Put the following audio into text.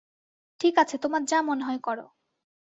ঠিক আছে, তোমার যা মনে হয় করো।